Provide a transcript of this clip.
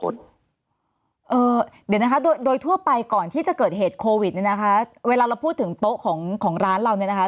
เดี๋ยวนะคะโดยทั่วไปก่อนที่จะเกิดเหตุโควิดเนี่ยนะคะเวลาเราพูดถึงโต๊ะของของร้านเราเนี่ยนะคะ